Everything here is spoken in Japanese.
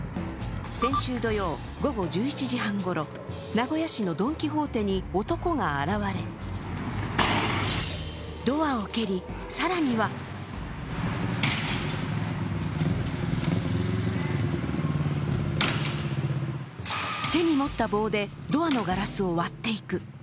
先週土曜、午後１１時半ごろ名古屋市のドン・キホーテに男が現れドアを蹴り、更には手に持った棒でドアのガラスを割っていく。